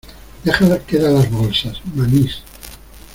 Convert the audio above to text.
deja quedas las bolsas, manís.